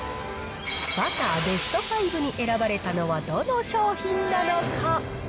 バターベスト５に選ばれたのはどの商品なのか。